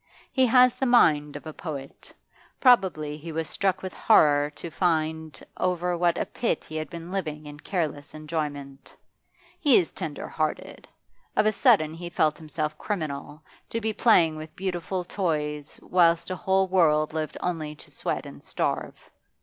He has the mind of a poet; probably he was struck with horror to find over what a pit he had been living in careless enjoyment. He is tender hearted; of a sudden he felt himself criminal, to be playing with beautiful toys whilst a whole world lived only to sweat and starve.